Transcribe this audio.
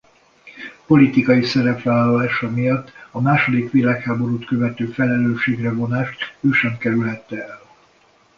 Politikai szerepvállalása miatt a második világháborút követő felelősségre vonást ő sem kerülhette el.